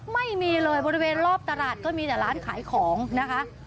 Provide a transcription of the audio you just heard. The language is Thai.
ไม่มีเลยบริเวณรอบตลาดก็มีแต่ร้านขายของนะคะ